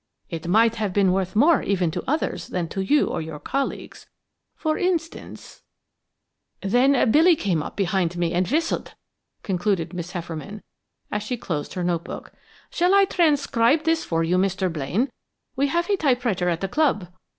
"'It might have been worth even more to others than to you or your colleagues. For instance ' "Then Billy came up behind me and whistled," concluded Miss Hefferman, as she closed her note book. "Shall I transcribe this for you, Mr. Blaine? We have a typewriter at the club."